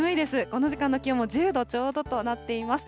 この時間の気温も１０度ちょうどとなっています。